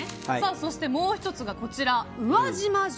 そして、もう１つは宇和島城。